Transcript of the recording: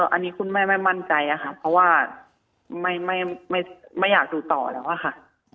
อันนี้คุณแม่ไม่มั่นใจค่ะเพราะว่าไม่อยากดูต่อแล้วอะค่ะ